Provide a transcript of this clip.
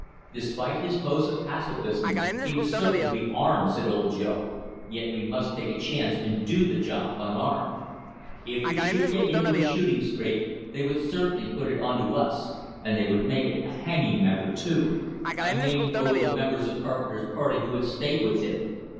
Despite his pose of "pacifism," he was certain to be armed, said Old Joe; yet we must take a chance, and do the job unarmed. If we should get into a shooting scrape, they would certainly put it onto us; and they would make it a hanging matter, too. I named over the members of Carpenter's party who had stayed with him.